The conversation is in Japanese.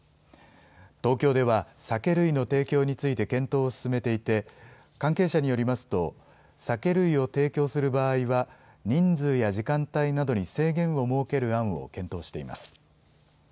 東京では、酒類の提供について検討を進めていて、関係者によりますと、酒類を提供する場合は、人数や時間帯などに制限を設ける案を検討しています。